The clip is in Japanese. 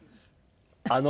あの。